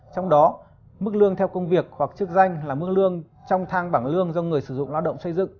trong đó mức lương theo công việc hoặc chức danh là mức lương trong thang bảng lương do người sử dụng lao động xây dựng